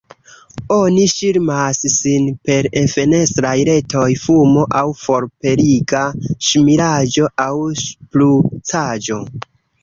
Oni ŝirmas sin per enfenestraj retoj, fumo aŭ forpeliga ŝmiraĵo aŭ ŝprucaĵo.